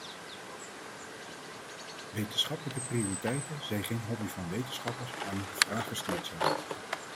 Wetenschappelijke prioriteiten zijn geen hobby van wetenschappers, maar moeten vraaggestuurd zijn.